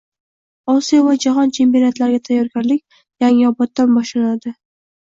Osiyo va jahon chempionatlariga tayyorgarlik “Yangiobod”dan boshlanadi